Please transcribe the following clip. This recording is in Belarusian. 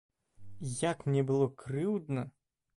Як мне было крыўдна.